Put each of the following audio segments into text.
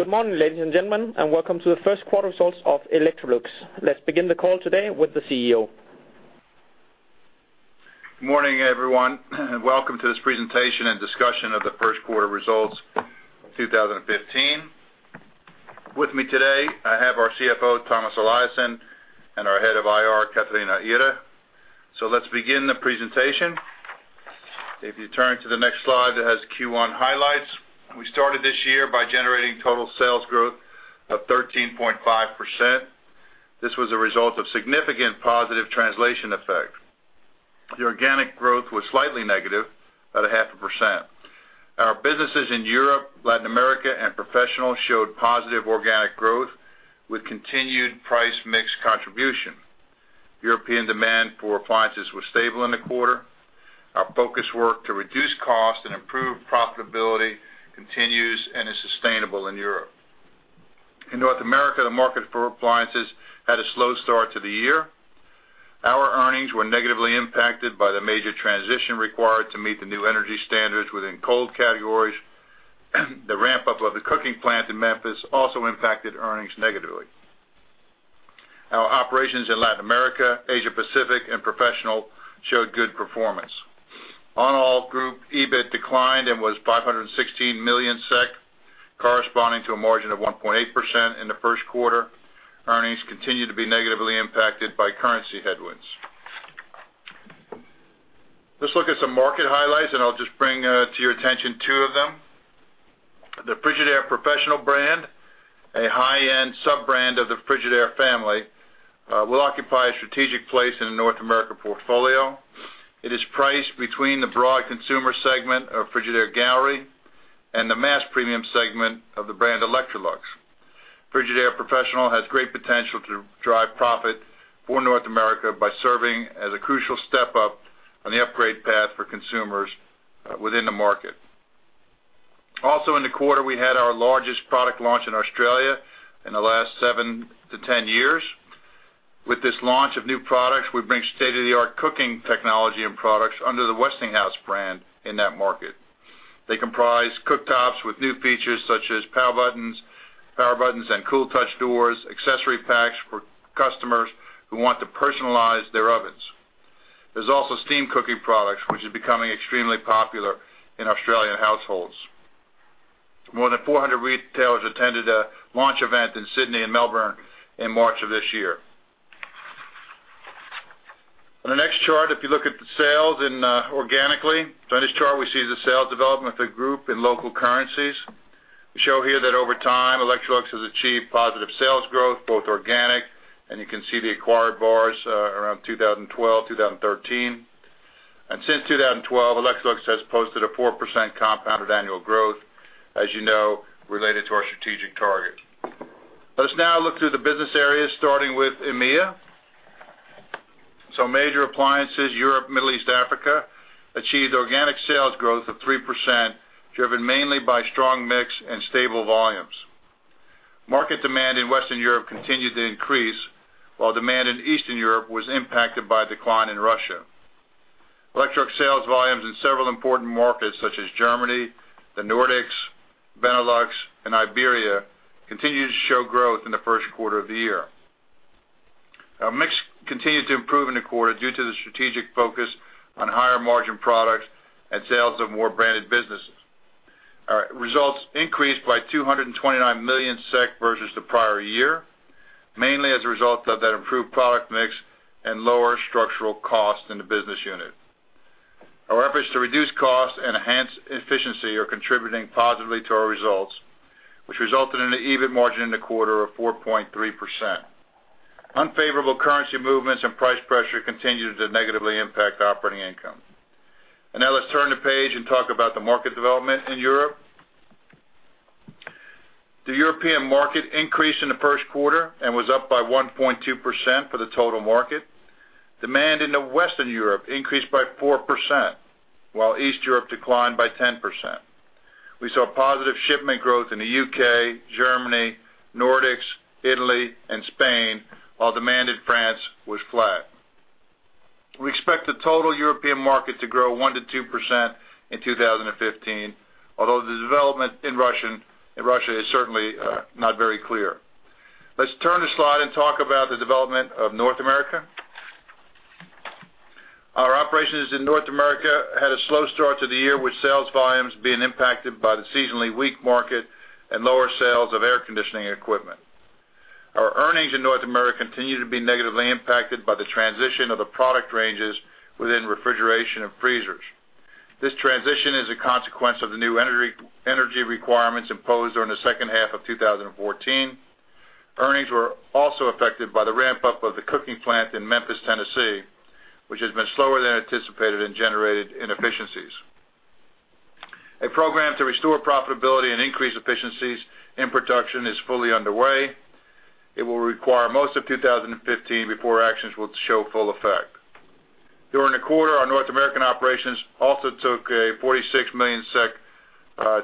Good morning, ladies and gentlemen, and welcome to the first quarter results of Electrolux. Let's begin the call today with the CEO. Good morning, everyone, welcome to this presentation and discussion of the first quarter results 2015. With me today, I have our CFO, Tomas Eliasson, and our Head of IR, Catarina Ihre. Let's begin the presentation. If you turn to the next slide, it has Q1 highlights. We started this year by generating total sales growth of 13.5%. This was a result of significant positive translation effect. The organic growth was slightly negative, about a half a percent. Our businesses in Europe, Latin America, and Professional showed positive organic growth with continued price mix contribution. European demand for appliances was stable in the quarter. Our focus work to reduce cost and improve profitability continues and is sustainable in Europe. In North America, the market for appliances had a slow start to the year. Our earnings were negatively impacted by the major transition required to meet the new energy standards within cold categories. The ramp-up of the cooking plant in Memphis also impacted earnings negatively. Our operations in Latin America, Asia Pacific, and Professional showed good performance. On all group, EBIT declined and was 516 million SEK, corresponding to a margin of 1.8% in the first quarter. Earnings continued to be negatively impacted by currency headwinds. Let's look at some market highlights, and I'll just bring to your attention two of them. The Frigidaire Professional brand, a high-end sub-brand of the Frigidaire family, will occupy a strategic place in the North America portfolio. It is priced between the broad consumer segment of Frigidaire Gallery and the mass premium segment of the brand Electrolux. Frigidaire Professional has great potential to drive profit for North America by serving as a crucial step up on the upgrade path for consumers within the market. Also, in the quarter, we had our largest product launch in Australia in the last 7-10 years. With this launch of new products, we bring state-of-the-art cooking technology and products under the Westinghouse brand in that market. They comprise cooktops with new features such as power buttons and cool touch doors, accessory packs for customers who want to personalize their ovens. There's also steam cooking products, which is becoming extremely popular in Australian households. More than 400 retailers attended a launch event in Sydney and Melbourne in March of this year. On the next chart, if you look at the sales in organically. In this chart, we see the sales development of the group in local currencies. We show here that over time, Electrolux has achieved positive sales growth, both organic, and you can see the acquired bars, around 2012, 2013. Since 2012, Electrolux has posted a 4% compounded annual growth, as you know, related to our strategic target. Let's now look through the business areas, starting with EMEA. Major Appliances, Europe, Middle East, Africa, achieved organic sales growth of 3%, driven mainly by strong mix and stable volumes. Market demand in Western Europe continued to increase, while demand in Eastern Europe was impacted by a decline in Russia. Electrolux sales volumes in several important markets, such as Germany, the Nordics, Benelux, and Iberia, continued to show growth in the first quarter of the year. Our mix continued to improve in the quarter due to the strategic focus on higher margin products and sales of more branded businesses. Our results increased by 229 million SEK versus the prior year, mainly as a result of that improved product mix and lower structural costs in the business unit. Our efforts to reduce costs and enhance efficiency are contributing positively to our results, which resulted in an EBIT margin in the quarter of 4.3%. Unfavorable currency movements and price pressure continued to negatively impact operating income. Now let's turn the page and talk about the market development in Europe. The European market increased in the first quarter and was up by 1.2% for the total market. Demand in Western Europe increased by 4%, while East Europe declined by 10%. We saw positive shipment growth in the U.K., Germany, Nordics, Italy, and Spain, while demand in France was flat. We expect the total European market to grow 1%-2% in 2015, although the development in Russia is certainly not very clear. Let's turn the slide and talk about the development of North America. Our operations in North America had a slow start to the year, with sales volumes being impacted by the seasonally weak market and lower sales of air conditioning equipment. Our earnings in North America continue to be negatively impacted by the transition of the product ranges within refrigeration and freezers. This transition is a consequence of the new energy requirements imposed during the second half of 2014. Earnings were also affected by the ramp-up of the cooking plant in Memphis, Tennessee, which has been slower than anticipated and generated inefficiencies. A program to restore profitability and increase efficiencies in production is fully underway. It will require most of 2015 before actions will show full effect. During the quarter, our North American operations also took a 46 million SEK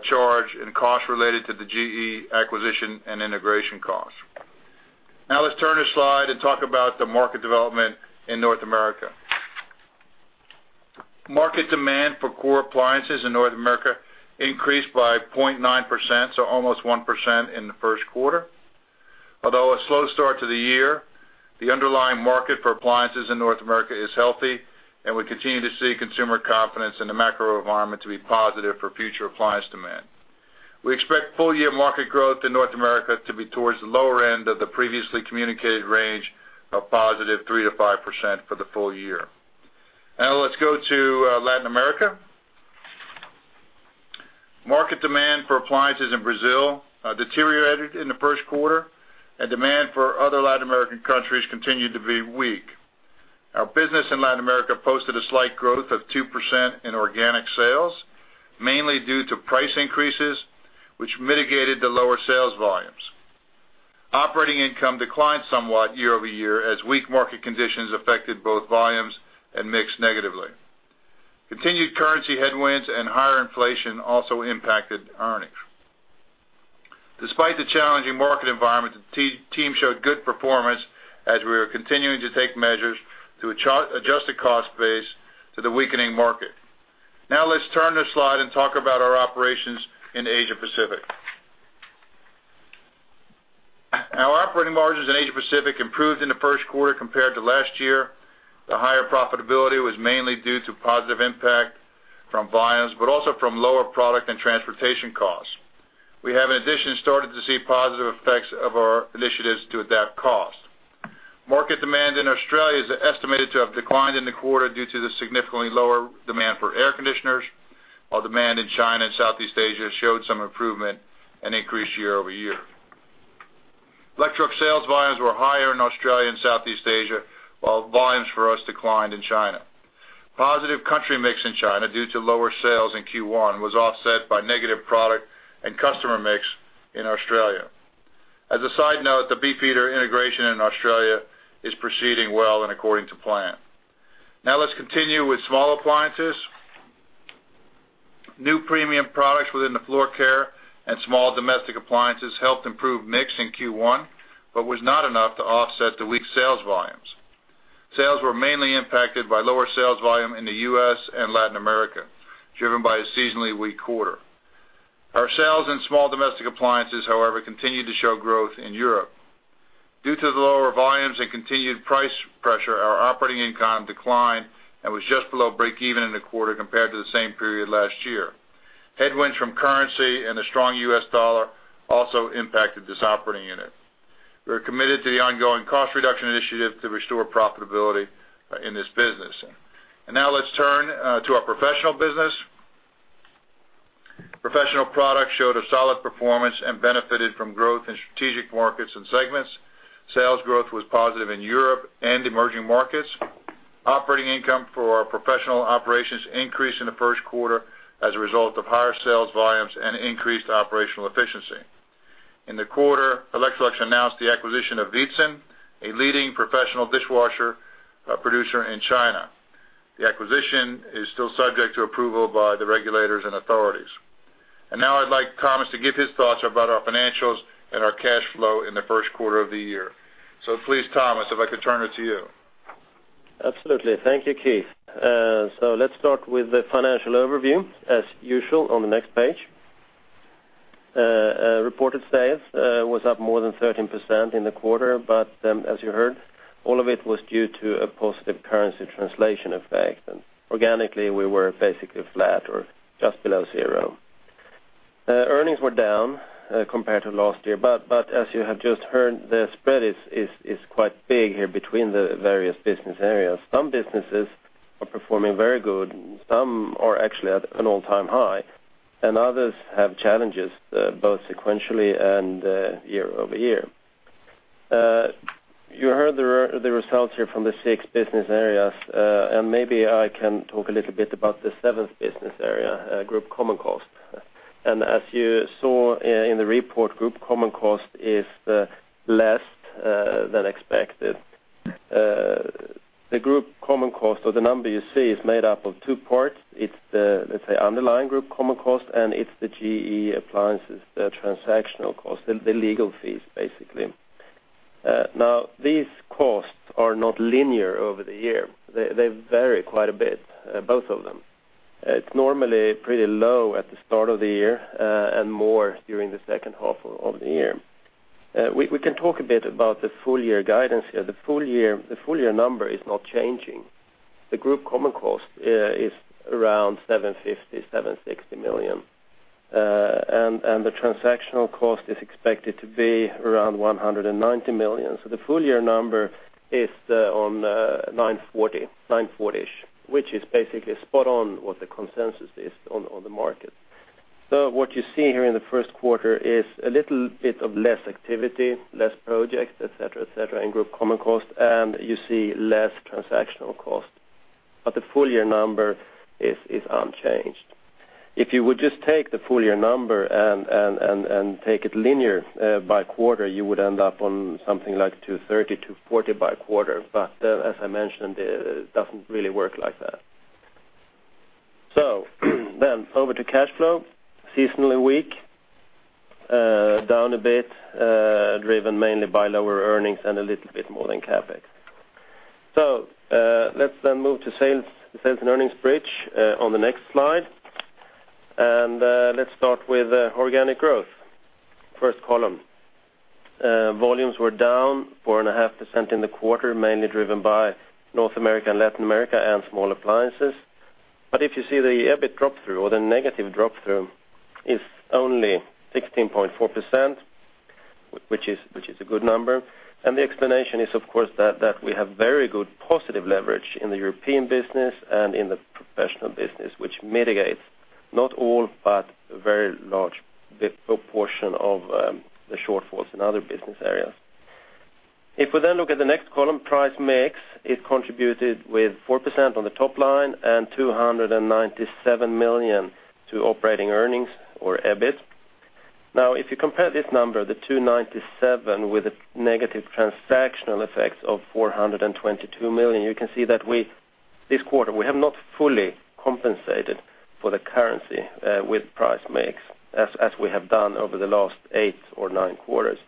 charge in costs related to the GE acquisition and integration costs. Let's turn this slide and talk about the market development in North America. Market demand for core appliances in North America increased by 0.9%, so almost 1% in the first quarter. Although a slow start to the year, the underlying market for appliances in North America is healthy, and we continue to see consumer confidence in the macro environment to be positive for future appliance demand. We expect full year market growth in North America to be towards the lower end of the previously communicated range of positive 3%-5% for the full year. Let's go to Latin America. Market demand for appliances in Brazil deteriorated in the first quarter, and demand for other Latin American countries continued to be weak. Our business in Latin America posted a slight growth of 2% in organic sales, mainly due to price increases, which mitigated the lower sales volumes. Operating income declined somewhat year-over-year, as weak market conditions affected both volumes and mix negatively. Continued currency headwinds and higher inflation also impacted earnings. Despite the challenging market environment, the team showed good performance as we are continuing to take measures to adjust the cost base to the weakening market. Now let's turn this slide and talk about our operations in Asia Pacific. Our operating margins in Asia Pacific improved in the first quarter compared to last year. The higher profitability was mainly due to positive impact from volumes, but also from lower product and transportation costs. We have, in addition, started to see positive effects of our initiatives to adapt cost. Market demand in Australia is estimated to have declined in the quarter due to the significantly lower demand for air conditioners, while demand in China and Southeast Asia showed some improvement and increased year-over-year. Electrolux sales volumes were higher in Australia and Southeast Asia, while volumes for us declined in China. Positive country mix in China due to lower sales in Q1, was offset by negative product and customer mix in Australia. As a side note, the BeefEater integration in Australia is proceeding well and according to plan. Let's continue with small appliances. New premium products within the floor care and small domestic appliances helped improve mix in Q1, but was not enough to offset the weak sales volumes. Sales were mainly impacted by lower sales volume in the U.S. and Latin America, driven by a seasonally weak quarter. Our sales in small domestic appliances, however, continued to show growth in Europe. Due to the lower volumes and continued price pressure, our operating income declined and was just below breakeven in the quarter compared to the same period last year. Headwinds from currency and the strong U.S. dollar also impacted this operating unit. We are committed to the ongoing cost reduction initiative to restore profitability in this business. Let's turn to our professional business. Professional products showed a solid performance and benefited from growth in strategic markets and segments. Sales growth was positive in Europe and emerging markets. Operating income for our professional operations increased in the first quarter as a result of higher sales volumes and increased operational efficiency. In the quarter, Electrolux announced the acquisition of Veetsan, a leading professional dishwasher producer in China. The acquisition is still subject to approval by the regulators and authorities. Now I'd like Thomas to give his thoughts about our financials and our cash flow in the first quarter of the year. Please, Thomas, if I could turn it to you. Absolutely. Thank you, Keith. Let's start with the financial overview, as usual, on the next page. Reported sales was up more than 13% in the quarter, but as you heard, all of it was due to a positive currency translation effect, and organically, we were basically flat or just below 0. Earnings were down compared to last year, but as you have just heard, the spread is quite big here between the various business areas. Some businesses are performing very good, some are actually at an all-time high, and others have challenges, both sequentially and year-over-year. You heard the results here from the 6 business areas, and maybe I can talk a little bit about the 7th business area, group common cost. As you saw in the report, group common cost is less than expected. The group common cost, or the number you see, is made up of two parts. It's the, let's say, underlying group common cost, and it's the GE Appliances, the transactional cost, the legal fees, basically. Now, these costs are not linear over the year. They vary quite a bit, both of them. It's normally pretty low at the start of the year, and more during the second half of the year. We can talk a bit about the full year guidance here. The full year number is not changing. The group common cost is around 750-760 million, and the transactional cost is expected to be around 190 million. The full year number is 940, 940-ish, which is basically spot on what the consensus is on the market. What you see here in the first quarter is a little bit of less activity, less projects, et cetera, in group common cost, and you see less transactional cost, but the full year number is unchanged. If you would just take the full year number and take it linear by quarter, you would end up on something like 230, 240 by quarter. As I mentioned, it doesn't really work like that. Over to cash flow, seasonally weak, down a bit, driven mainly by lower earnings and a little bit more than CapEx. Let's then move to sales, the sales and earnings bridge on the next slide. Let's start with organic growth. First column, volumes were down 4.5% in the quarter, mainly driven by North America and Latin America and small appliances. If you see the EBIT drop-through, or the negative drop-through, is only 16.4%, which is a good number. The explanation is, of course, that we have very good positive leverage in the European business and in the professional business, which mitigates not all, but a very large proportion of the shortfalls in other business areas. If we then look at the next column, price mix, it contributed with 4% on the top line and 297 million to operating earnings or EBIT. If you compare this number, the 297, with a negative transactional effect of 422 million, you can see that this quarter, we have not fully compensated for the currency with price mix, as we have done over the last 8 or 9 quarters.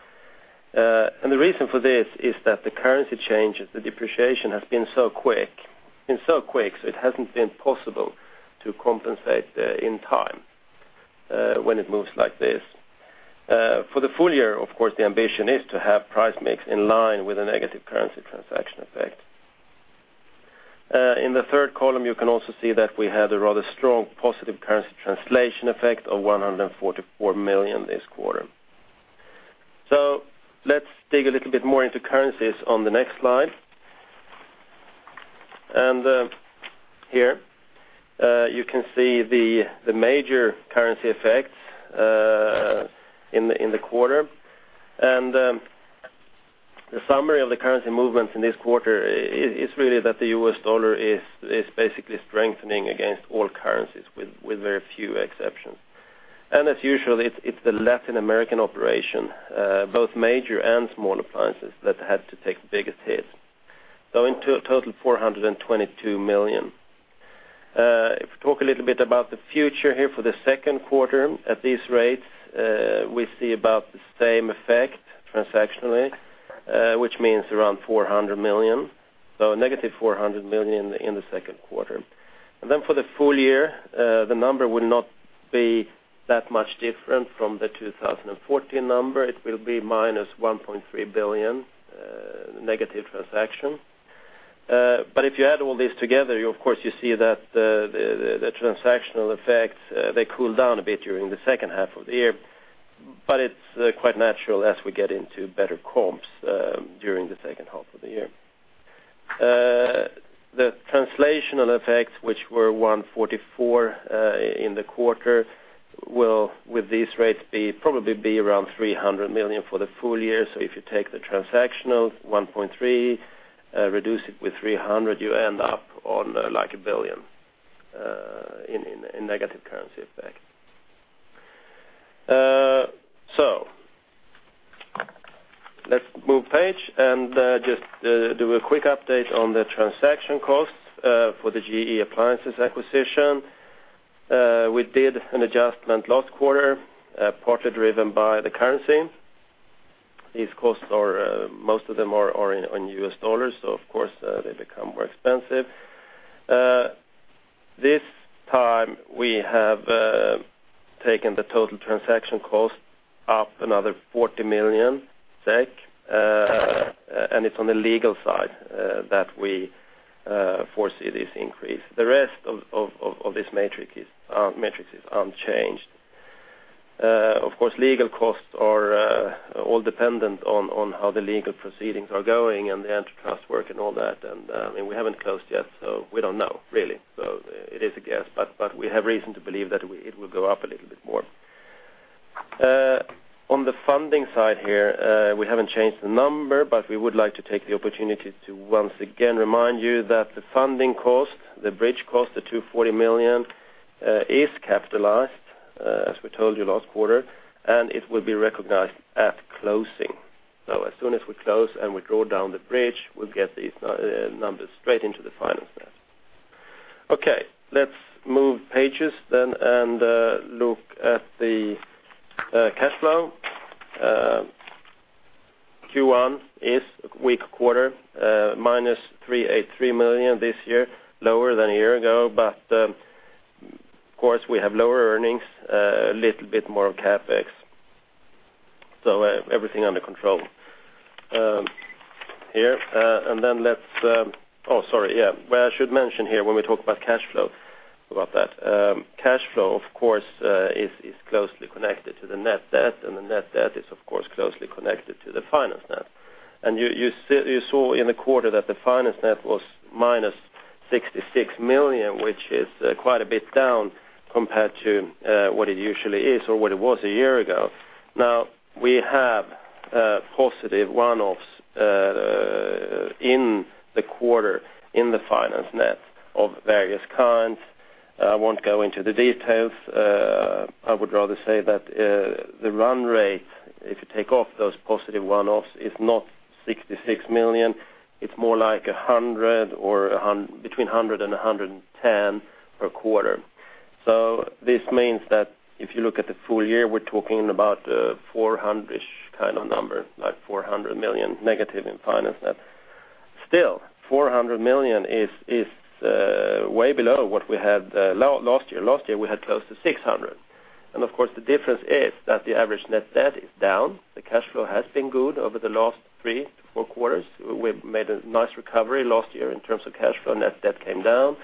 The reason for this is that the currency change, the depreciation, has been so quick, so it hasn't been possible to compensate in time when it moves like this. For the full year, of course, the ambition is to have price mix in line with a negative currency transaction effect. In the third column, you can also see that we had a rather strong positive currency translation effect of 144 million this quarter. Let's dig a little bit more into currencies on the next slide. Here, you can see the major currency effects in the quarter. The summary of the currency movements in this quarter is really that the U.S. dollar is basically strengthening against all currencies, with very few exceptions. As usual, it's the Latin American operation, both major and small appliances, that had to take the biggest hit. In total, $422 million. If we talk a little bit about the future here for the second quarter, at these rates, we see about the same effect transactionally, which means around $400 million, so a negative $400 million in the second quarter. For the full year, the number will not be that much different from the 2014 number. It will be minus 1.3 billion negative transaction. If you add all this together, you of course, you see that the transactional effects, they cool down a bit during the second half of the year, but it's quite natural as we get into better comps during the second half of the year. The translational effects, which were 144 in the quarter, will, with these rates, probably be around 300 million for the full year. If you take the transactional 1.3, reduce it with 300, you end up on like 1 billion in negative currency effect. Let's move page and just do a quick update on the transaction costs for the GE Appliances acquisition. We did an adjustment last quarter, partly driven by the currency. These costs are in U.S. dollars, so of course, they become more expensive. This time, we have taken the total transaction cost up another 40 million SEK, and it's on the legal side, that we foresee this increase. The rest of this metric is, metrics is unchanged. Of course, legal costs are all dependent on how the legal proceedings are going and the antitrust work and all that. We haven't closed yet, so we don't know, really. It is a guess, but we have reason to believe that it will go up a little bit more. On the funding side here, we haven't changed the number, but we would like to take the opportunity to once again remind you that the funding cost, the bridge cost, the 240 million, is capitalized, as we told you last quarter, and it will be recognized at closing. As soon as we close and we draw down the bridge, we'll get these numbers straight into the finance net. Okay, let's move pages then and look at the cash flow. Q1 is a weak quarter, minus 383 million this year, lower than a year ago. Of course, we have lower earnings, a little bit more of CapEx. Everything under control. Here, let's... Oh, sorry, yeah. What I should mention here, when we talk about cash flow, cash flow, of course, is closely connected to the net debt, and the net debt is, of course, closely connected to the finance net. You saw in the quarter that the finance net was minus 66 million, which is quite a bit down compared to what it usually is or what it was a year ago. We have positive one-offs in the quarter, in the finance net of various kinds. I won't go into the details. I would rather say that the run rate if you take off those positive one-offs, it's not 66 million, it's more like 100 million or between 100 million and 110 million per quarter. This means that if you look at the full year, we're talking about 400-ish kind of number, like 400 million negative in finance net. Still, 400 million is way below what we had last year. Last year, we had close to 600 million. Of course, the difference is that the average net debt is down. The cash flow has been good over the last three, four quarters. We've made a nice recovery last year in terms of cash flow, net debt came down.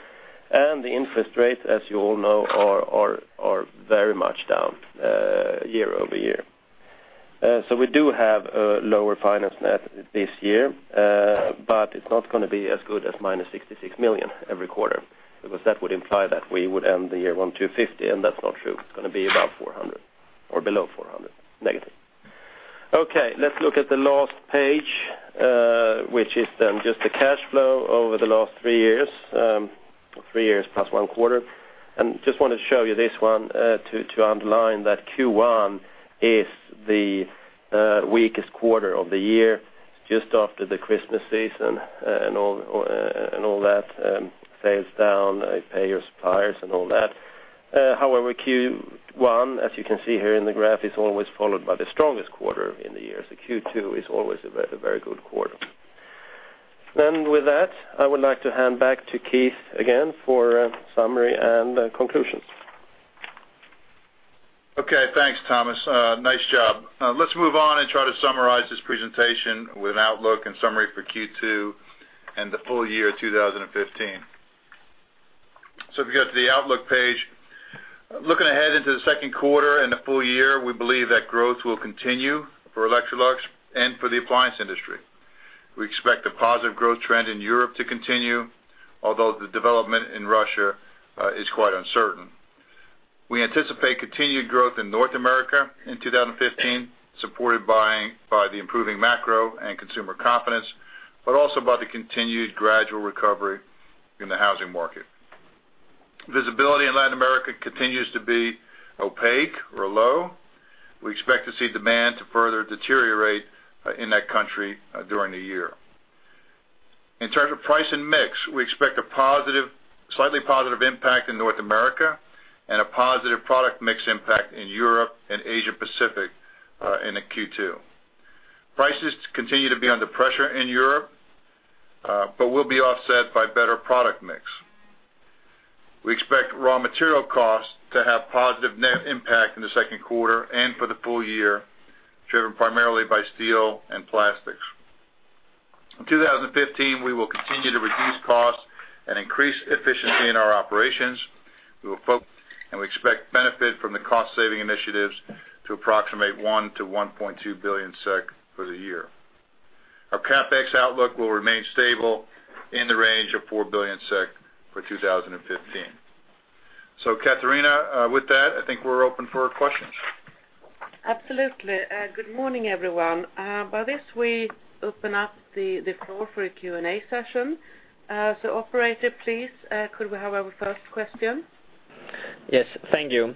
The interest rate, as you all know, are very much down year-over-year. We do have a lower finance net this year, but it's not gonna be as good as minus 66 million every quarter, because that would imply that we would end the year 150 million, and that's not true. It's gonna be about 400 or below 400, negative. Okay, let's look at the last page, which is then just the cash flow over the last three years, three years plus one quarter. Just wanted to show you this one to underline that Q1 is the weakest quarter of the year, just after the Christmas season, and all that, sales down, they pay your suppliers and all that. However, Q1, as you can see here in the graph, is always followed by the strongest quarter in the year. Q2 is always a very, very good quarter. With that, I would like to hand back to Keith again for a summary and conclusions. Okay, thanks, Thomas. Nice job. Let's move on and try to summarize this presentation with outlook and summary for Q2 and the full year of 2015. If you go to the outlook page, looking ahead into the second quarter and the full year, we believe that growth will continue for Electrolux and for the appliance industry. We expect a positive growth trend in Europe to continue, although the development in Russia is quite uncertain. We anticipate continued growth in North America in 2015, supported by the improving macro and consumer confidence, but also by the continued gradual recovery in the housing market. Visibility in Latin America continues to be opaque or low. We expect to see demand to further deteriorate in that country during the year. In terms of price and mix, we expect a slightly positive impact in North America, and a positive product mix impact in Europe and Asia Pacific in the Q2. Prices continue to be under pressure in Europe, but will be offset by better product mix. We expect raw material costs to have positive net impact in the second quarter and for the full year, driven primarily by steel and plastics. In 2015, we will continue to reduce costs and increase efficiency in our operations. We expect benefit from the cost-saving initiatives to approximate 1 billion-1.2 billion SEK for the year. Our CapEx outlook will remain stable in the range of 4 billion SEK for 2015. Catarina Ihre, with that, I think we're open for questions. Absolutely. Good morning, everyone. By this, we open up the floor for a Q&A session. Operator, please, could we have our first question? Yes, thank you.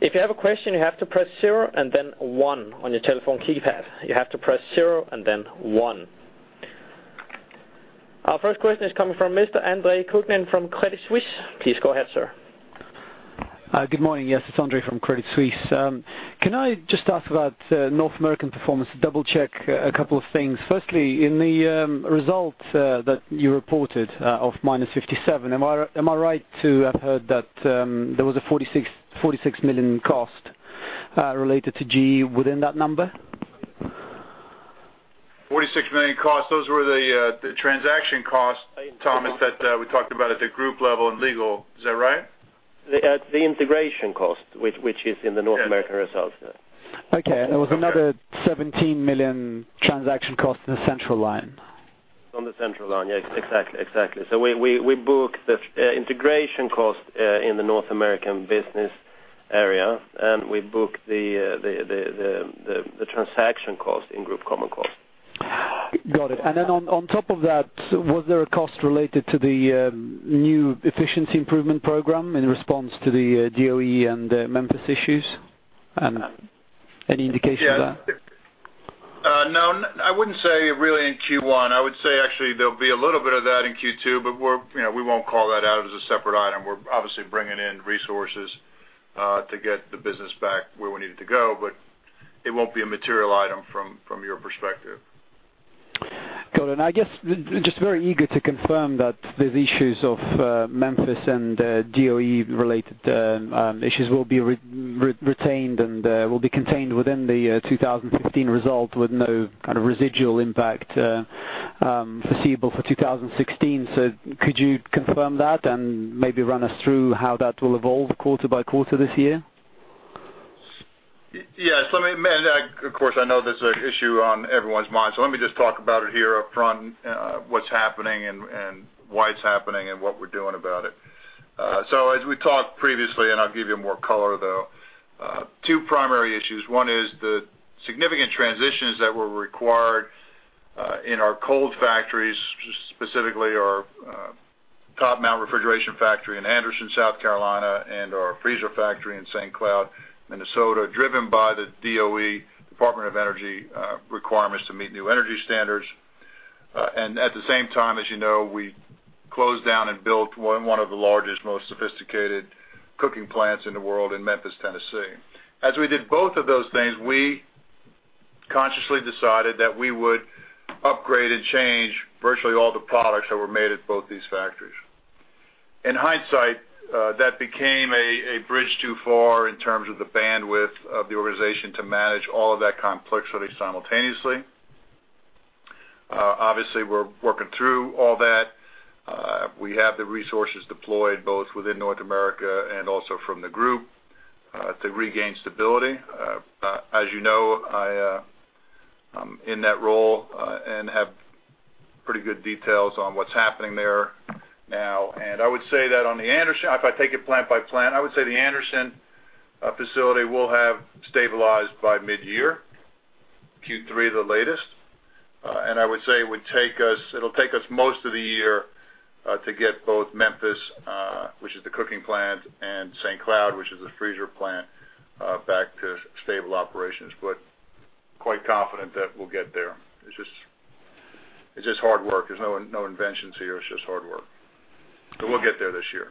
If you have a question, you have to press 0 and then 1 on your telephone keypad. You have to press 0 and then 1. Our first question is coming from Mr. Andre Kuklin from Credit Suisse. Please go ahead, sir. Good morning. Yes, it's Andre from Credit Suisse. Can I just ask about North American performance, double-check a couple of things? Firstly, in the result that you reported of -57, am I right to have heard that there was a 46 million cost related to GE within that number? 46 million costs, those were the transaction costs, Thomas, that, we talked about at the group level in legal. Is that right? The integration cost, which is in the North American results. Okay, there was another 17 million transaction cost in the central line. On the central line. Yes, exactly. We booked the integration cost in the North American business area, and we booked the transaction cost in group common cost. Got it. On top of that, was there a cost related to the new efficiency improvement program in response to the DOE and Memphis issues? Any indication of that? no, I wouldn't say really in Q1. I would say, actually, there'll be a little bit of that in Q2, but we're, you know, we won't call that out as a separate item. We're obviously bringing in resources to get the business back where we need it to go, but it won't be a material item from your perspective. Got it. I guess just very eager to confirm that these issues of Memphis and DOE-related issues will be retained and will be contained within the 2015 result, with no kind of residual impact foreseeable for 2016. Could you confirm that and maybe run us through how that will evolve quarter by quarter this year? Yes, let me of course, I know this is an issue on everyone's mind, so let me just talk about it here upfront, what's happening and why it's happening and what we're doing about it. As we talked previously, and I'll give you more color, though, two primary issues. One is the significant transitions that were required in our cold factories, specifically our top mount refrigeration factory in Anderson, South Carolina, and our freezer factory in St. Cloud, Minnesota, driven by the DOE, Department of Energy, requirements to meet new energy standards. At the same time, as you know, we closed down and built one of the largest, most sophisticated cooking plants in the world in Memphis, Tennessee. As we did both of those things, we consciously decided that we would upgrade and change virtually all the products that were made at both these factories. In hindsight, that became a bridge too far in terms of the bandwidth of the organization to manage all of that complexity simultaneously. Obviously, we're working through all that. We have the resources deployed both within North America and also from the group to regain stability. As you know, I'm in that role and have pretty good details on what's happening there now. I would say that on the Anderson, if I take it plant by plant, I would say the Anderson facility will have stabilized by midyear, Q3 at the latest. I would say it'll take us most of the year to get both Memphis, which is the cooking plant, and St. Cloud, which is a freezer plant, back to stable operations, but quite confident that we'll get there. It's just, it's just hard work. There's no inventions here. It's just hard work. We'll get there this year.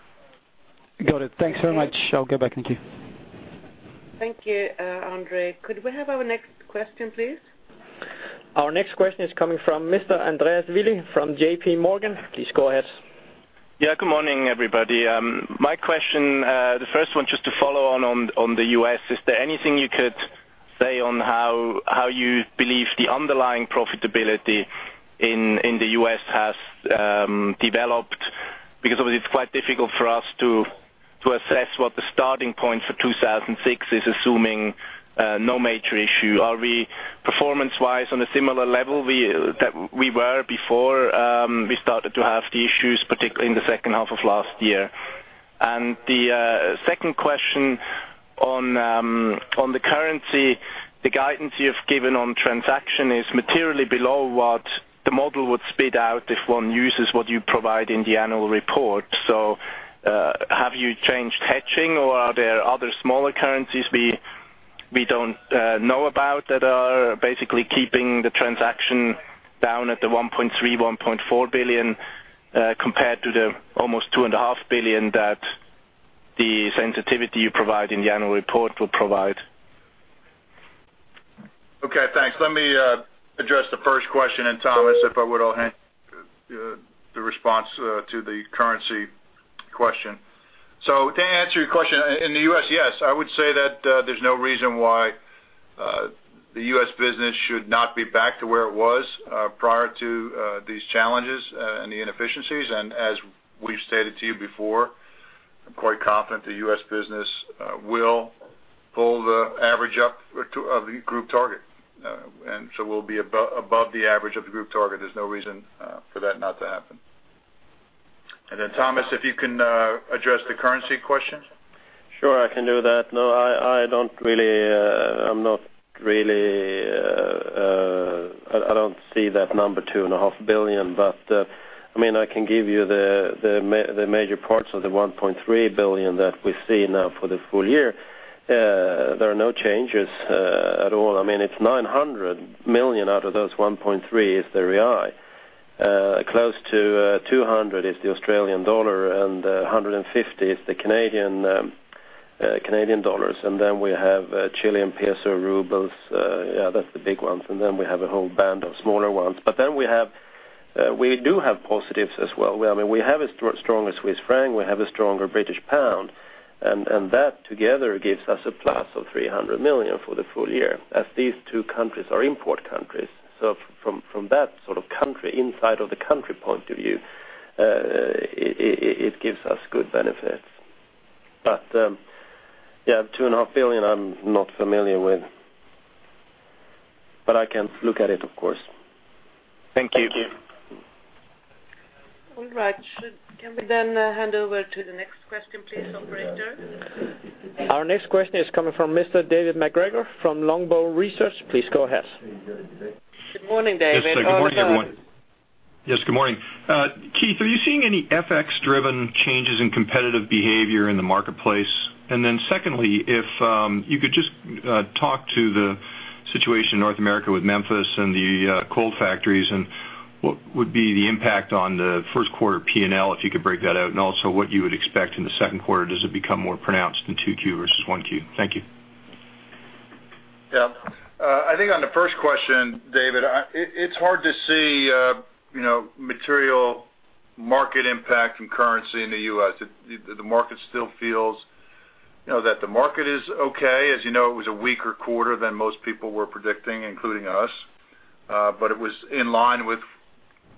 Got it. Thanks very much. I'll get back. Thank you. Thank you, Andre. Could we have our next question, please? Our next question is coming from Mr. Andreas Willi from JPMorgan. Please go ahead. Yeah, good morning, everybody. My question, the first one, just to follow on, on the U.S. Is there anything you could say on how you believe the underlying profitability in the U.S. has developed? Obviously, it's quite difficult for us to assess what the starting point for 2006 is, assuming no major issue. Are we, performance-wise, on a similar level we, that we were before we started to have the issues, particularly in the second half of last year? The second question on the currency, the guidance you've given on transaction is materially below what the model would spit out if one uses what you provide in the annual report. Have you changed hedging, or are there other smaller currencies we don't know about that are basically keeping the transaction down at the 1.3 billion, 1.4 billion compared to the almost 2.5 billion that the sensitivity you provide in the annual report will provide? Okay, thanks. Let me address the first question, and Thomas, if I would all hand the response to the currency question. To answer your question, in the U.S., yes, I would say that there's no reason why the U.S. business should not be back to where it was prior to these challenges and the inefficiencies. As we've stated to you before, I'm quite confident the U.S. business will pull the average up to, of the group target. We'll be above the average of the group target. There's no reason for that not to happen. Thomas, if you can address the currency question? Sure, I can do that. No, I don't really, I'm not really, I don't see that number two and a half billion, but, I mean, I can give you the major parts of the 1.3 billion that we see now for the full year. There are no changes at all. I mean, it's 900 million out of those 1.3 is the Reais. Close to 200 is the Australian dollar, and 150 is the Canadian dollars. Then we have Chilean peso, rubles, yeah, that's the big ones. Then we have a whole band of smaller ones. Then we have, we do have positives as well. Well, I mean, we have a stronger Swiss franc, we have a stronger British pound, and that together gives us a plus of 300 million for the full year, as these two countries are import countries. From that sort of country, inside of the country point of view, it gives us good benefits. Yeah, 2.5 billion, I'm not familiar with. I can look at it, of course. Thank you. Thank you. Can we then hand over to the next question, please, operator? Our next question is coming from Mr. David MacGregor from Longbow Research. Please go ahead. Good morning, David. Good morning, everyone. Yes, good morning. Keith, are you seeing any FX-driven changes in competitive behavior in the marketplace? Secondly, if you could just talk to the situation in North America with Memphis and the cold factories, and what would be the impact on the first quarter P&L, if you could break that out, and also what you would expect in the second quarter? Does it become more pronounced in two Q versus one Q? Thank you. I think on the first question, David, it's hard to see, you know, material market impact and currency in the U.S. The market still feels, you know, that the market is okay. As you know, it was a weaker quarter than most people were predicting, including us, but it was in line with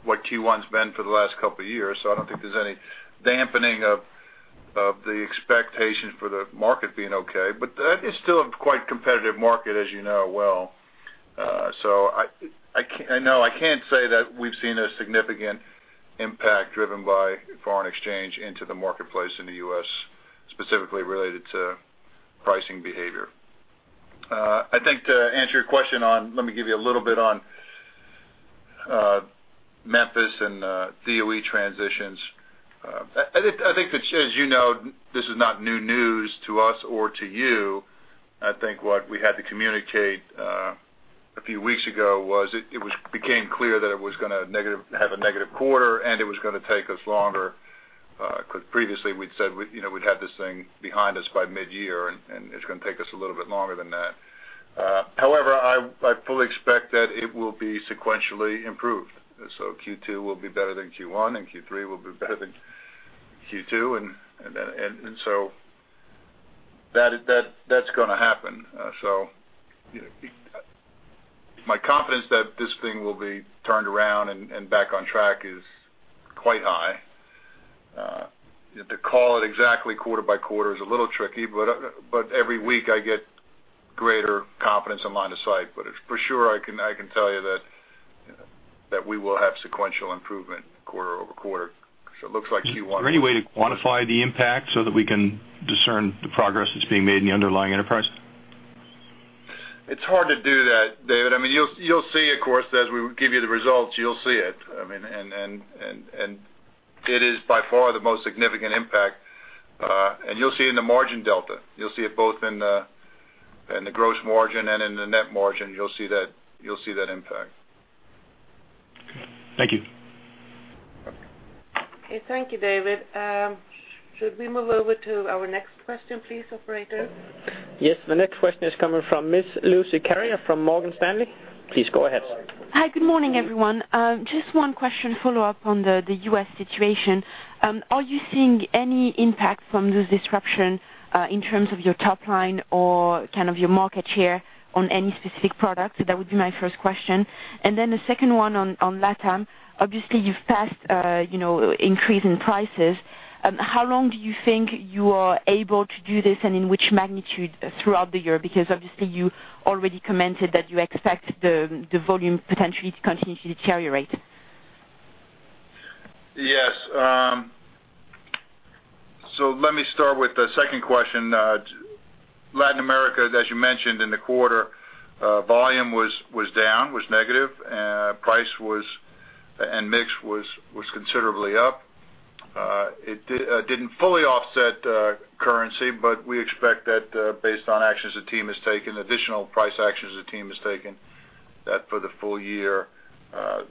what Q1's been for the last couple of years, so I don't think there's any dampening of the expectation for the market being okay. That is still a quite competitive market, as you know well. I can't say that we've seen a significant impact driven by foreign exchange into the marketplace in the U.S., specifically related to pricing behavior. I think to answer your question on, let me give you a little bit on Memphis and DOE transitions. I think that, as you know, this is not new news to us or to you. I think what we had to communicate a few weeks ago was it became clear that it was gonna negative, have a negative quarter, and it was gonna take us longer, 'cause previously we'd said, you know, we'd have this thing behind us by midyear, and it's gonna take us a little bit longer than that. However, I fully expect that it will be sequentially improved. Q2 will be better than Q1, and Q3 will be better than Q2. Then, and so that is, that's gonna happen. You know, my confidence that this thing will be turned around and back on track is quite high. to call it exactly quarter by quarter is a little tricky, but every week I get greater confidence and line of sight. It's for sure, I can tell you that we will have sequential improvement quarter over quarter. It looks like Q1- Is there any way to quantify the impact so that we can discern the progress that's being made in the underlying enterprise? It's hard to do that, David. I mean, you'll see, of course, as we give you the results, you'll see it. I mean, and it is by far the most significant impact. And you'll see in the margin delta, you'll see it both in the gross margin and in the net margin, you'll see that impact. Thank you. Okay, thank you, David. Should we move over to our next question, please, operator? The next question is coming from Miss Lucie Carrier from Morgan Stanley. Please go ahead. Hi, good morning, everyone. Just one question, follow-up on the U.S. situation. Are you seeing any impact from this disruption in terms of your top line or kind of your market share on any specific product? That would be my first question. The second one on LATAM. Obviously, you've passed, you know, increase in prices. How long do you think you are able to do this, and in which magnitude throughout the year? Obviously you already commented that you expect the volume potentially to continue to deteriorate. Yes. Let me start with the second question. Latin America, as you mentioned in the quarter, volume was down, was negative, price was, and mix was considerably up. It did, didn't fully offset currency, but we expect that, based on actions the team has taken, additional price actions the team has taken, that for the full year,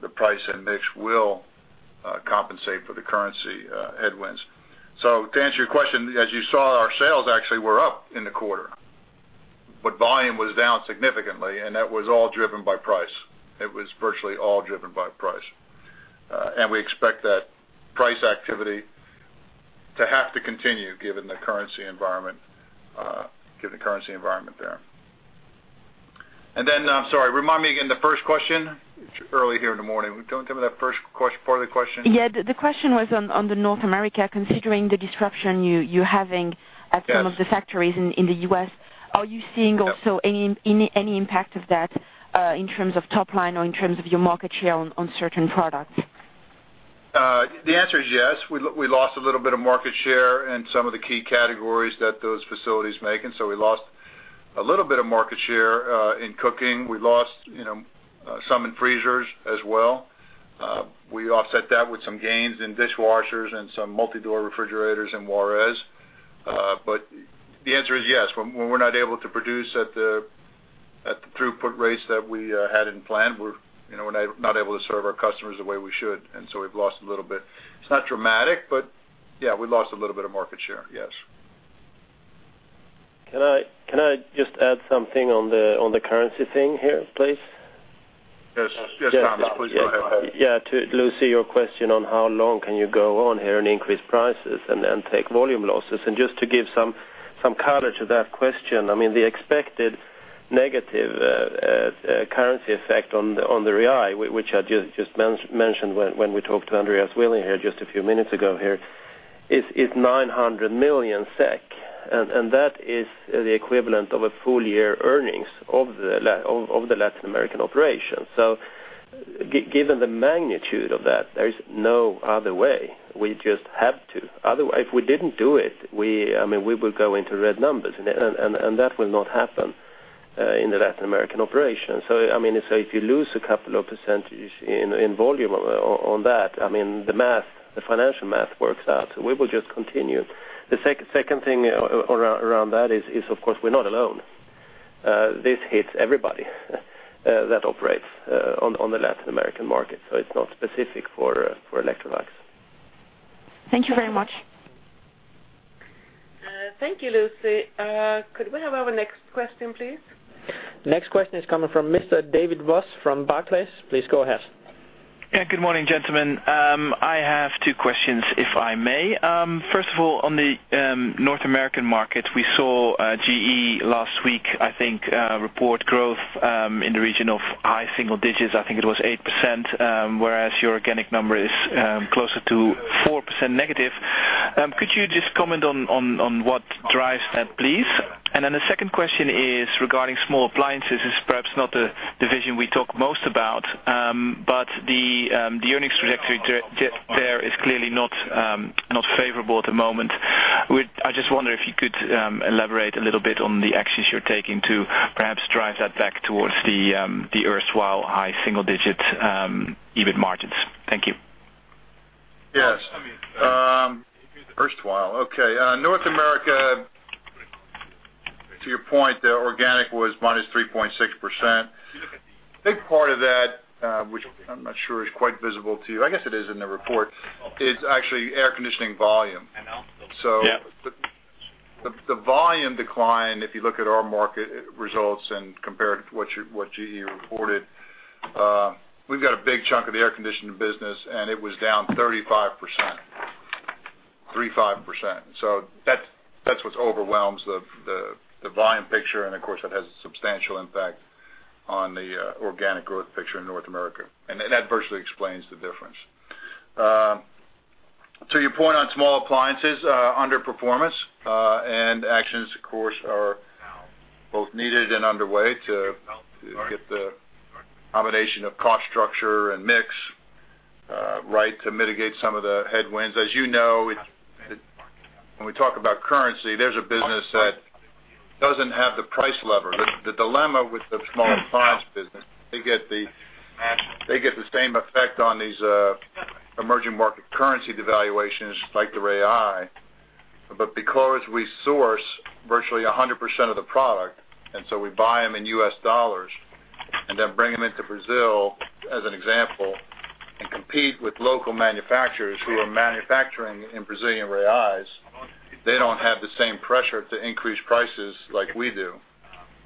the price and mix will compensate for the currency headwinds. To answer your question, as you saw, our sales actually were up in the quarter, but volume was down significantly, and that was all driven by price. It was virtually all driven by price. We expect that price activity to have to continue given the currency environment, given the currency environment there. I'm sorry, remind me again the first question. It's early here in the morning. Tell me that first part of the question. Yeah, the question was on the North America, considering the disruption you're having. Yes. at some of the factories in the U.S., are you seeing also any impact of that in terms of top line or in terms of your market share on certain products? The answer is yes. We lost a little bit of market share in some of the key categories that those facilities make, we lost a little bit of market share in cooking. We lost, you know, some in freezers as well. We offset that with some gains in dishwashers and some multi-door refrigerators in Juarez. The answer is yes. When we're not able to produce at the throughput rates that we had in plan, we're, you know, we're not able to serve our customers the way we should, we've lost a little bit. It's not dramatic, but yeah, we lost a little bit of market share, yes. Can I just add something on the currency thing here, please? Yes. Yes, Thomas, please go ahead. Yeah, to Lucie, your question on how long can you go on here and increase prices and then take volume losses? Just to give some color to that question, the expected negative currency effect on the BRL, which I just mentioned when we talked to Andreas Willi here just a few minutes ago here, is 900 million SEK, and that is the equivalent of a full year earnings of the Latin American operation. Given the magnitude of that, there is no other way, we just have to. If we didn't do it, we will go into red numbers, and that will not happen in the Latin American operation. I mean, if you lose a couple of percentage in volume on that, I mean, the math, the financial math works out, so we will just continue. The second thing around that is, of course, we're not alone. This hits everybody that operates on the Latin American market, so it's not specific for Electrolux. Thank you very much. Thank you, Lucie. Could we have our next question, please? Next question is coming from Mr. David Vos from Barclays. Please go ahead. Yeah, good morning, gentlemen. I have 2 questions, if I may. First of all, on the North American market, we saw GE last week, I think, report growth in the region of high single digits. I think it was 8%, whereas your organic number is closer to 4% negative. Could you just comment on what drives that, please? The second question is regarding small appliances, this is perhaps not the division we talk most about, but the earnings trajectory clearly not favorable at the moment. I just wonder if you could elaborate a little bit on the actions you're taking to perhaps drive that back towards the erstwhile high single digit EBIT margins. Thank you. Erstwhile. North America, to your point, the organic was -3.6%. A big part of that, which I'm not sure is quite visible to you, I guess it is in the report, is actually air conditioning volume. Yeah. The volume decline, if you look at our market results and compare it to what GE reported, we've got a big chunk of the air conditioning business, and it was down 35%. That's what overwhelms the volume picture, and of course, that has a substantial impact on the organic growth picture in North America, and that virtually explains the difference. To your point on small appliances, underperformance, and actions, of course, are both needed and underway to get the combination of cost structure and mix right, to mitigate some of the headwinds. As you know, when we talk about currency, there's a business that doesn't have the price lever. The dilemma with the small appliance business, they get the same effect on these emerging market currency devaluations like the real. Because we source virtually 100% of the product, we buy them in U.S. dollars and then bring them into Brazil, as an example, and compete with local manufacturers who are manufacturing in Brazilian reais, they don't have the same pressure to increase prices like we do.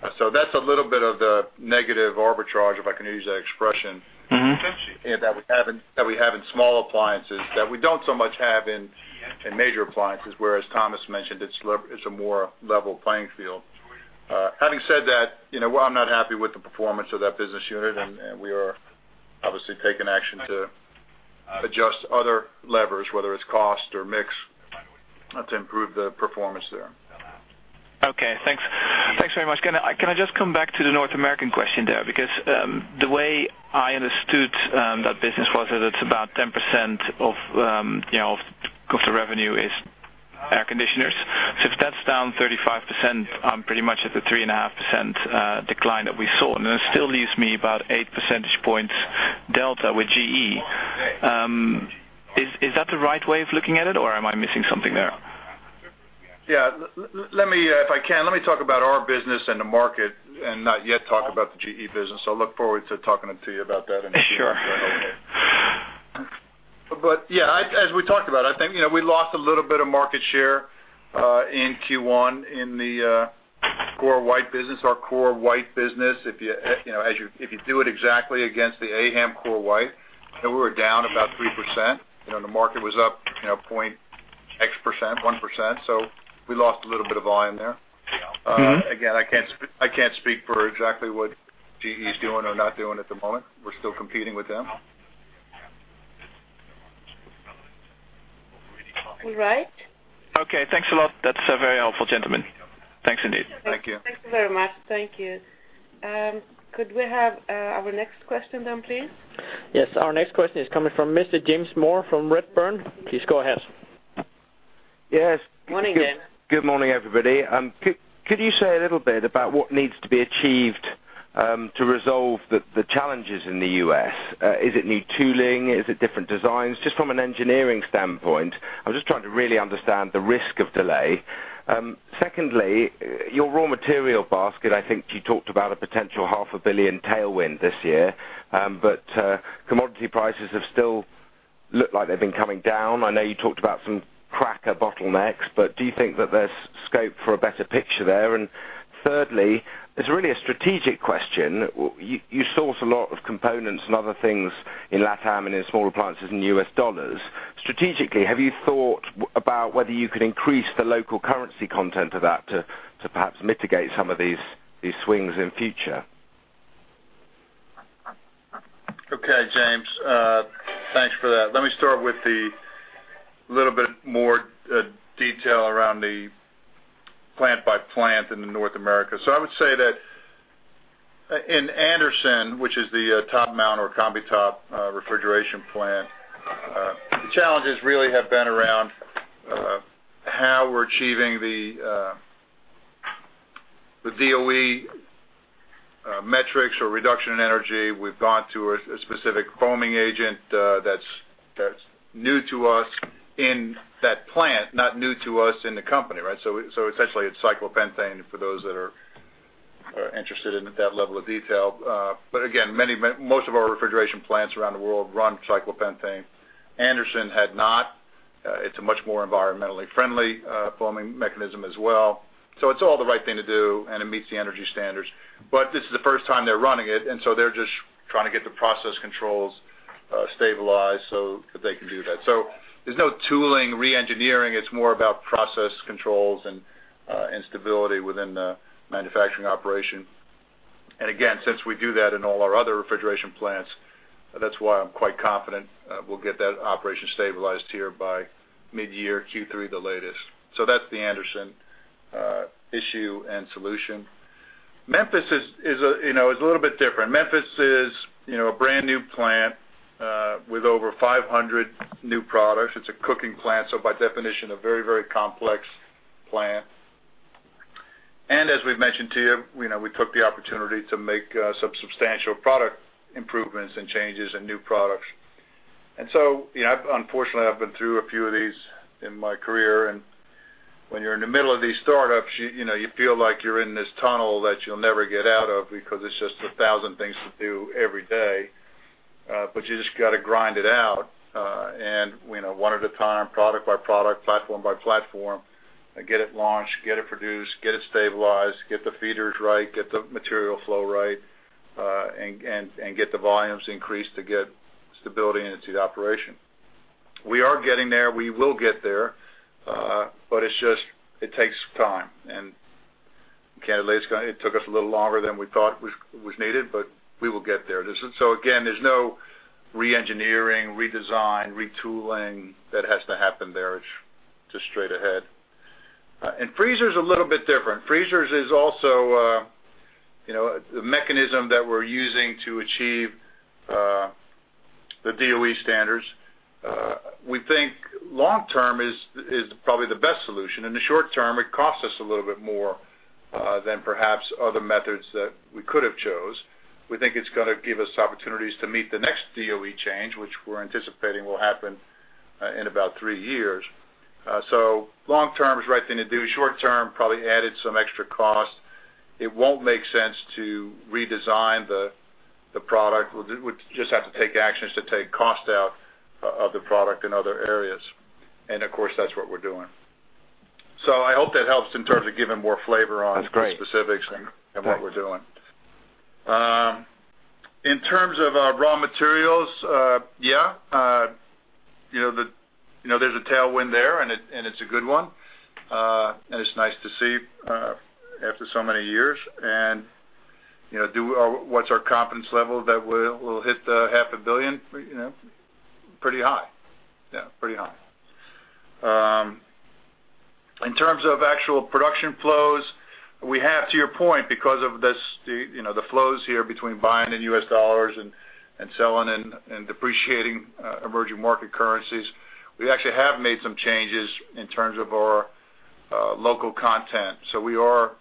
That's a little bit of the negative arbitrage, if I can use that expression. Mm-hmm. that we have in small appliances, that we don't so much have in major appliances, where, as Tomas mentioned, it's a more level playing field. Having said that, you know, well, I'm not happy with the performance of that business unit, and we are obviously taking action to adjust other levers, whether it's cost or mix, to improve the performance there. Okay, thanks. Thanks very much. Can I just come back to the North American question there? The way I understood that business was that it's about 10% of, you know, of the revenue is air conditioners. So if that's down 35%, I'm pretty much at the 3.5% decline that we saw, and it still leaves me about 8 percentage points delta with GE. Is that the right way of looking at it, or am I missing something there? Yeah. Let me, if I can, let me talk about our business and the market and not yet talk about the GE business. I'll look forward to talking to you about that in a few months. Sure. Yeah, as we talked about, I think, you know, we lost a little bit of market share, in Q1, in the core white business. Our core white business, if you know, if you do it exactly against the AHAM core white, then we were down about 3%. You know, the market was up, you know, 0.X%, 1%, so we lost a little bit of volume there. Mm-hmm. Again, I can't speak for exactly what GE is doing or not doing at the moment. We're still competing with them. All right. Okay, thanks a lot. That's very helpful, gentlemen. Thanks, indeed. Thank you. Thank you very much. Thank you. Could we have our next question then, please? Yes, our next question is coming from Mr. James Moore from Redburn. Please go ahead. Yes. Morning, James. Good morning, everybody. Could you say a little bit about what needs to be achieved to resolve the challenges in the U.S.? Is it new tooling? Is it different designs? Just from an engineering standpoint, I'm just trying to really understand the risk of delay. Secondly, your raw material basket, I think you talked about a potential $ half a billion tailwind this year, commodity prices have still looked like they've been coming down. I know you talked about some cracker bottlenecks, do you think that there's scope for a better picture there? Thirdly, it's really a strategic question. You source a lot of components and other things in LATAM and in small appliances in U.S. dollars. Strategically, have you thought about whether you could increase the local currency content of that to perhaps mitigate some of these swings in future? Okay, James, thanks for that. Let me start with the little bit more detail around the plant by plant in the North America. I would say that in Anderson, which is the top mount or combi top refrigeration plant, the challenges really have been around how we're achieving the DOE metrics or reduction in energy. We've gone to a specific foaming agent that's new to us in that plant, not new to us in the company, right? Essentially, it's cyclopentane for those that are interested in that level of detail. Again, most of our refrigeration plants around the world run cyclopentane. Anderson had not. It's a much more environmentally friendly foaming mechanism as well. It's all the right thing to do, and it meets the energy standards. This is the first time they're running it, and so they're just trying to get the process controls stabilized so that they can do that. There's no tooling, reengineering. It's more about process controls and stability within the manufacturing operation. Again, since we do that in all our other refrigeration plants, that's why I'm quite confident we'll get that operation stabilized here by mid-year, Q3 at the latest. That's the Anderson issue and solution. Memphis is, you know, a little bit different. Memphis is, you know, a brand new plant with over 500 new products. It's a cooking plant, so by definition, a very, very complex plant. As we've mentioned to you know we took the opportunity to make some substantial product improvements and changes and new products. You know, unfortunately, I've been through a few of these in my career, and when you're in the middle of these startups, you know, you feel like you're in this tunnel that you'll never get out of because it's just 1,000 things to do every day. You just got to grind it out, and, you know, one at a time, product by product, platform by platform, and get it launched, get it produced, get it stabilized, get the feeders right, get the material flow right, and get the volumes increased to get stability into the operation. We are getting there. We will get there, but it's just, it takes time, and candidly, it took us a little longer than we thought was needed, but we will get there. Again, there's no reengineering, redesign, retooling that has to happen there. It's just straight ahead. Freezer's a little bit different. Freezers is also, you know, the mechanism that we're using to achieve the DOE standards. We think long term is probably the best solution. In the short term, it costs us a little bit more than perhaps other methods that we could have chose. We think it's gonna give us opportunities to meet the next DOE change, which we're anticipating will happen in about three years. Long term is the right thing to do. Short term, probably added some extra costs. It won't make sense to redesign the product. We'll just have to take actions to take cost out of the product in other areas. Of course, that's what we're doing. I hope that helps in terms of giving more flavor. That's great. the specifics and what we're doing. In terms of our raw materials, you know, there's a tailwind there, and it's a good one. And it's nice to see after so many years. What's our confidence level that we'll hit the half a billion? Pretty high. Pretty high. In terms of actual production flows, we have, to your point, because of this, the flows here between buying and U.S. dollars and selling and depreciating emerging market currencies, we actually have made some changes in terms of our local content. We are,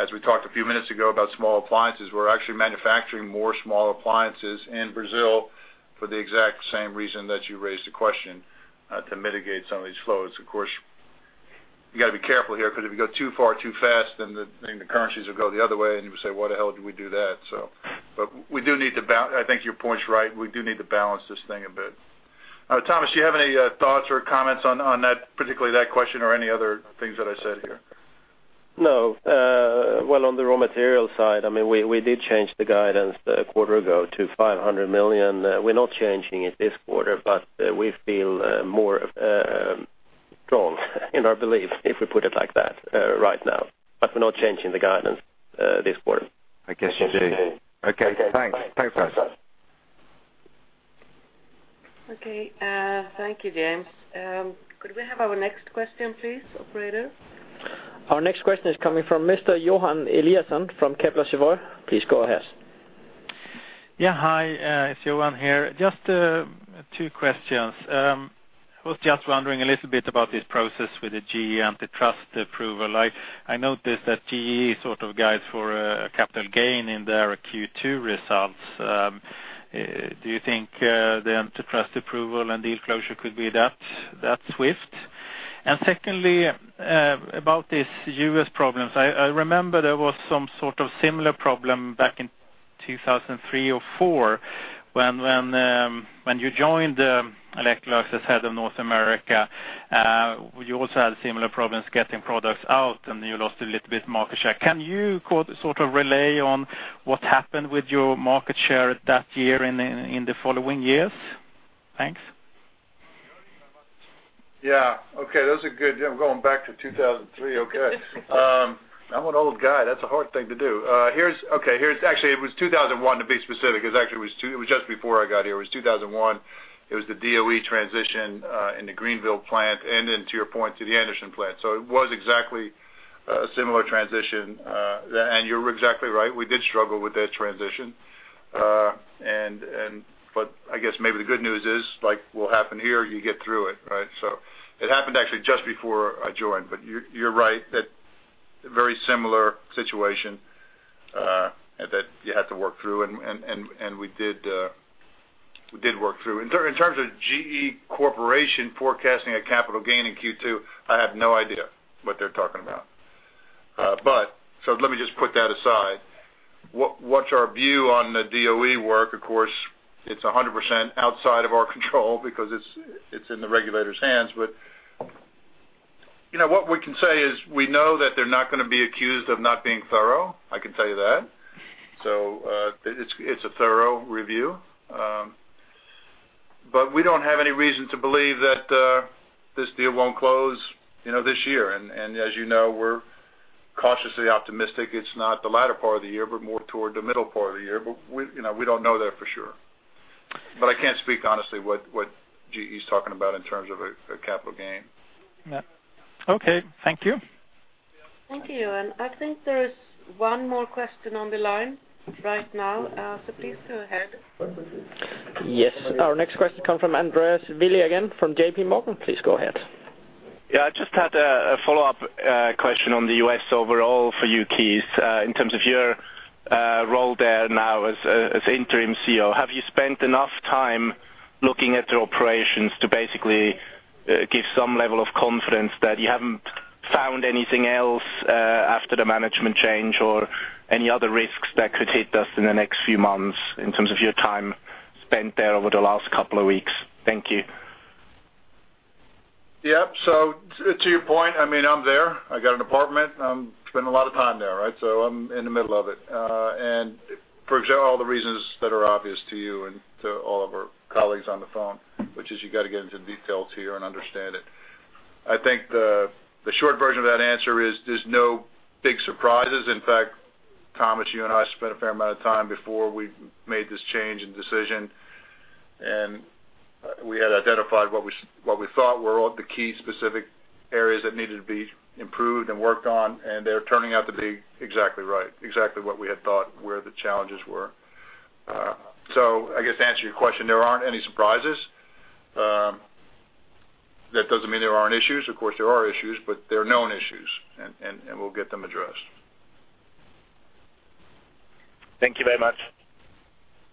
as we talked a few minutes ago about small appliances, we're actually manufacturing more small appliances in Brazil for the exact same reason that you raised the question, to mitigate some of these flows. You got to be careful here, because if you go too far, too fast, then the, then the currencies will go the other way, and you'll say, Why the hell did we do that? I think your point's right, we do need to balance this thing a bit. Thomas, do you have any thoughts or comments on that, particularly that question or any other things that I said here? No. Well, on the raw material side, I mean, we did change the guidance a quarter ago to 500 million. We're not changing it this quarter, we feel more strong in our belief, if we put it like that, right now. We're not changing the guidance this quarter. I guess you do. I guess we do. Okay, thanks. Take care. Okay. Thank you, James. Could we have our next question, please, operator? Our next question is coming from Mr. Johan Eliasson from Kepler Cheuvreux. Please go ahead. Yeah, hi, it's Johan here. Just two questions. I was just wondering a little bit about this process with the GE antitrust approval. I noticed that GE sort of guides for a capital gain in their Q2 results. Do you think the antitrust approval and deal closure could be that swift? Secondly, about these U.S. problems, I remember there was some sort of similar problem back in 2003 or 2004, when you joined Electrolux as head of North America, you also had similar problems getting products out, and you lost a little bit of market share. Can you sort of relay on what happened with your market share that year and in the following years? Thanks. Yeah. Okay, those are good. Yeah, I'm going back to 2003. Okay. I'm an old guy. That's a hard thing to do. Okay, here's actually, it was 2001, to be specific. It actually was just before I got here. It was 2001. It was the DOE transition in the Greenville plant, and then to your point, to the Anderson plant. It was exactly a similar transition. You're exactly right. We did struggle with that transition. I guess maybe the good news is, like, what happened here, you get through it, right? It happened actually just before I joined, but you're right, that very similar situation, that you had to work through, and we did work through. In terms of GE Corporation forecasting a capital gain in Q2, I have no idea what they're talking about. Let me just put that aside. What's our view on the DOE work? Of course, it's 100% outside of our control because it's in the regulator's hands. You know, what we can say is we know that they're not going to be accused of not being thorough. I can tell you that. It's, it's a thorough review. We don't have any reason to believe that this deal won't close, you know, this year. As you know, we're cautiously optimistic it's not the latter part of the year, but more toward the middle part of the year. We, you know, we don't know that for sure. I can't speak honestly, what GE is talking about in terms of a capital gain. Yeah. Okay. Thank you. Thank you. I think there is one more question on the line right now, please go ahead. Yes, our next question come from Andreas Willi, again, from JP Morgan. Please go ahead. Yeah, I just had a follow-up question on the U.S. overall for you, Keith. In terms of your role there now as interim CEO, have you spent enough time looking at your operations to basically give some level of confidence that you haven't found anything else after the management change or any other risks that could hit us in the next few months, in terms of your time spent there over the last couple of weeks? Thank you. Yep. To your point, I mean, I'm there. I got an apartment. I'm spending a lot of time there, right? I'm in the middle of it. For all the reasons that are obvious to you and to all of our colleagues on the phone, which is you got to get into the details here and understand it. I think the short version of that answer is there's no big surprises. In fact, Tomas, you and I spent a fair amount of time before we made this change and decision, and we had identified what we thought were all the key specific areas that needed to be improved and worked on, and they're turning out to be exactly right, exactly what we had thought, where the challenges were. I guess to answer your question, there aren't any surprises. That doesn't mean there aren't issues. Of course, there are issues, but they're known issues, and we'll get them addressed. Thank you very much.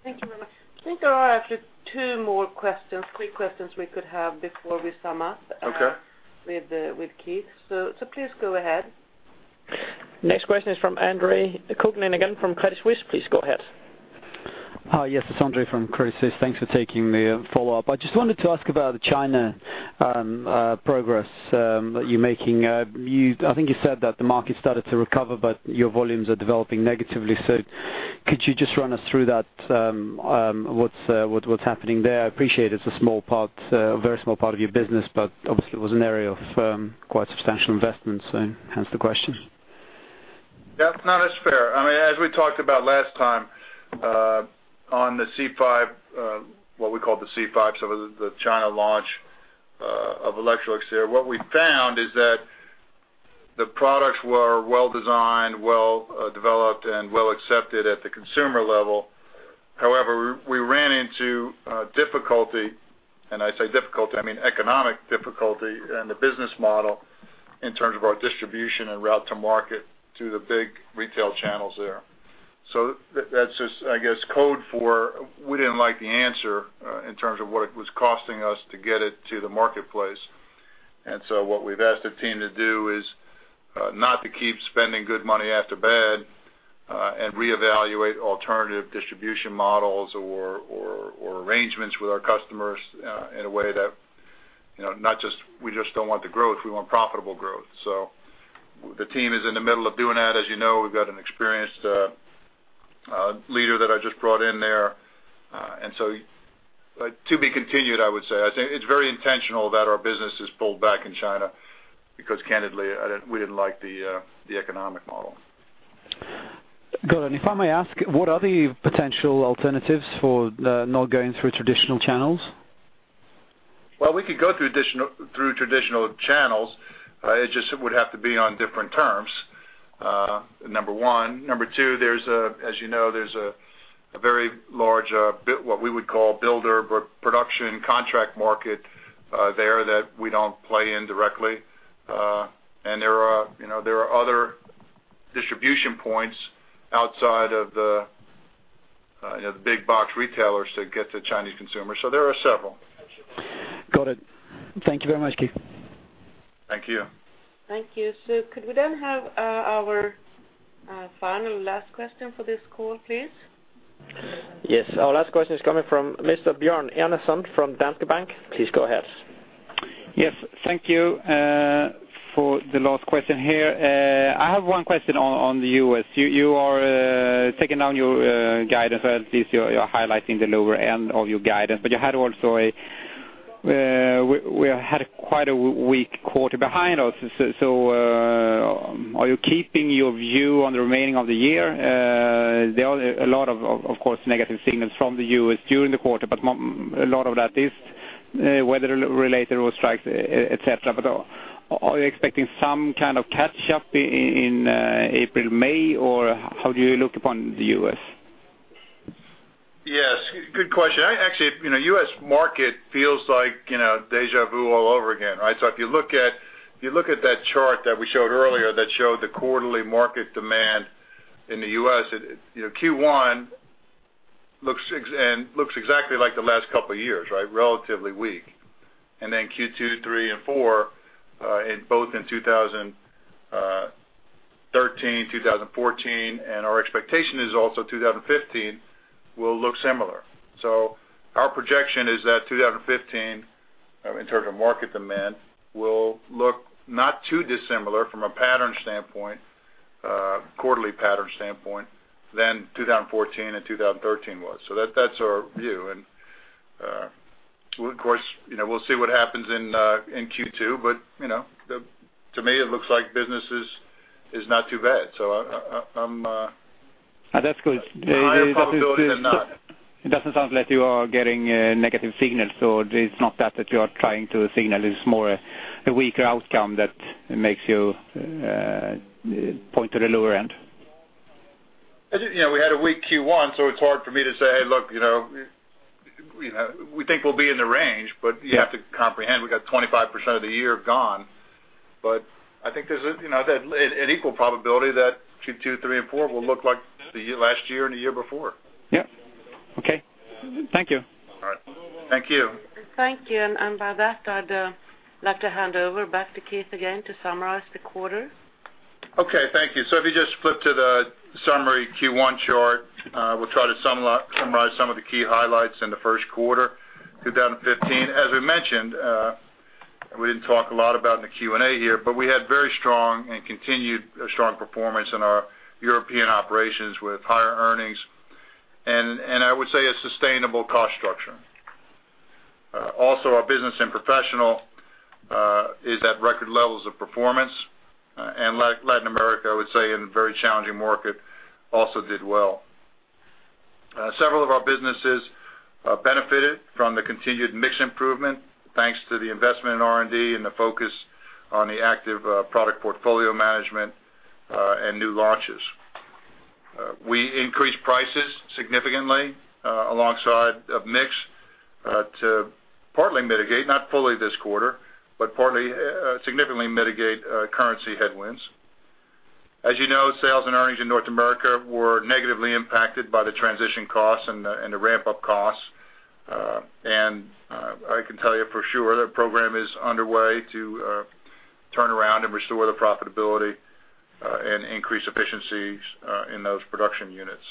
Thank you very much. I think there are actually two more questions, quick questions we could have before we sum up. Okay -with, with Keith. please go ahead. Next question is from Andre Kukhnin, again, from Credit Suisse. Please go ahead. Yes, it's Andre from Credit Suisse. Thanks for taking the follow-up. I just wanted to ask about the China progress that you're making. I think you said that the market started to recover, but your volumes are developing negatively. Could you just run us through that, what's happening there? I appreciate it's a small part, a very small part of your business, but obviously, it was an area of quite substantial investment, hence the question. That's not as fair. I mean, as we talked about last time, on the C5, what we call the C5, so the China launch of Electrolux there, what we found is that the products were well designed, well, developed, and well accepted at the consumer level. However, we ran into difficulty, and I say difficulty, I mean, economic difficulty in the business model in terms of our distribution and route to market, to the big retail channels there. That's just, I guess, code for we didn't like the answer, in terms of what it was costing us to get it to the marketplace. What we've asked the team to do is not to keep spending good money after bad and reevaluate alternative distribution models or arrangements with our customers in a way that, you know, we just don't want the growth, we want profitable growth. The team is in the middle of doing that. As you know, we've got an experienced leader that I just brought in there. To be continued, I would say. I think it's very intentional that our business is pulled back in China because candidly, we didn't like the economic model. Got it. If I may ask, what are the potential alternatives for the not going through traditional channels? Well, we could go through additional, through traditional channels. It just would have to be on different terms, number one. Number two, there's a, as you know, there's a very large, what we would call builder production contract market, there that we don't play in directly. There are, you know, there are other distribution points outside of the, you know, the big box retailers to get to Chinese consumers. There are several. Got it. Thank you very much, Keith. Thank you. Thank you. Could we then have our final last question for this call, please? Yes. Our last question is coming from Mr. Björn Enarson from Danske Bank. Please go ahead. Yes, thank you, for the last question here. I have one question on the U.S. You, you are taking down your guidance, or at least you're highlighting the lower end of your guidance, but you had also a... We had quite a weak quarter behind us. Are you keeping your view on the remaining of the year? There are a lot of course, negative signals from the U.S. during the quarter, but a lot of that is weather related or strikes, et cetera. Are you expecting some kind of catch up in April, May, or how do you look upon the U.S.? Yes, good question. I actually, you know, U.S. market feels like, you know, deja vu all over again, right? If you look at that chart that we showed earlier that showed the quarterly market demand in the U.S., it, you know, Q1 looks exactly like the last couple of years, right? Relatively weak. Q2, 3, and 4, in both in 2013, 2014, and our expectation is also 2015, will look similar. Our projection is that 2015, in terms of market demand, will look not too dissimilar from a pattern standpoint, quarterly pattern standpoint, than 2014 and 2013 was. That's our view. Of course, you know, we'll see what happens in Q2, but, you know, to me, it looks like business is not too bad. I'm. That's good. Higher probability than not. It doesn't sound like you are getting a negative signal, so it's not that you are trying to signal. It's more a weaker outcome that makes you point to the lower end. Yeah, we had a weak Q1, so it's hard for me to say, "Look, you know, we, you know, we think we'll be in the range," but you have to comprehend, we got 25% of the year gone. I think there's, you know, an equal probability that Q2, three, and four will look like the last year and the year before. Yep. Okay. Thank you. All right. Thank you. Thank you. By that, I'd like to hand over back to Keith again to summarize the quarter. Okay, thank you. If you just flip to the summary Q1 chart, we'll try to summarize some of the key highlights in the first quarter, 2015. As we mentioned, we didn't talk a lot about in the Q&A here, but we had very strong and continued strong performance in our European operations with higher earnings, and I would say a sustainable cost structure. Also, our business and professional is at record levels of performance, and Latin America, I would say, in a very challenging market, also did well. Several of our businesses benefited from the continued mix improvement, thanks to the investment in R&D and the focus on the active product portfolio management, and new launches. We increased prices significantly, alongside of mix, to partly mitigate, not fully this quarter, but partly, significantly mitigate, currency headwinds. As you know, sales and earnings in North America were negatively impacted by the transition costs and the ramp-up costs. And I can tell you for sure, the program is underway to turn around and restore the profitability, and increase efficiencies, in those production units.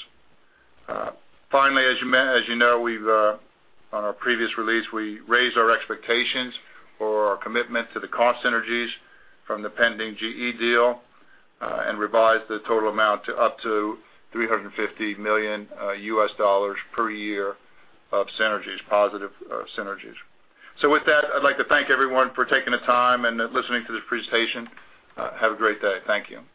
Finally, as you know, we've on our previous release, we raised our expectations for our commitment to the cost synergies from the pending GE deal, and revised the total amount to up to $350 million per year of synergies, positive synergies. With that, I'd like to thank everyone for taking the time and listening to this presentation. Have a great day. Thank you.